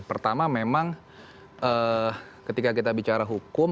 pertama memang ketika kita bicara hukum